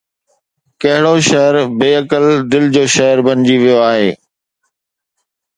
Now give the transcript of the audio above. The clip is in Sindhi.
ڪھڙو شھر بي عقل دل جو شھر بڻجي ويو آھي؟